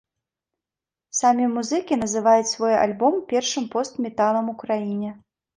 Самі музыкі называюць свой альбом першым пост-металам у краіне.